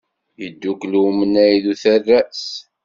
Iddukel umnay d uterras.